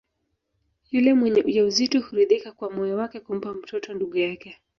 Yule mwenye ujauzito huridhika kwa moyo wake kumpa mtoto ndugu yake